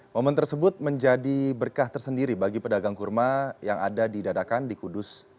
momen tersebut menjadi berkah tersendiri bagi pedagang kurma yang ada di dadakan di kudus